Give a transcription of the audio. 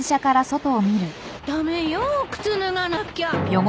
駄目よお靴脱がなきゃ。